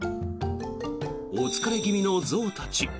お疲れ気味の象たち。